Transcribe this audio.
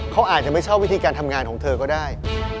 เขาอาจจะไม่ชอบวิธีการทำงานของเธอก็ได้